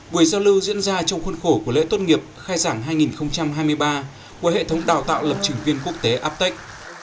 buổi giao lưu diễn ra trong khuôn khổ của lễ tôn nghiệp khai giảng hai nghìn hai mươi ba của hệ thống đào tạo lập trình viên quốc tế apec